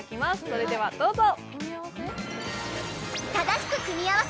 それではどうぞ。